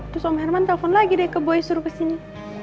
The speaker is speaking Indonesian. terus om herman telepon lagi deh ke boy suruh kesini